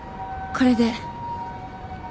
これで。